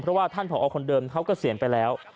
เพราะว่าท่านผอคนเดิมเขาเกษียณไปแล้ว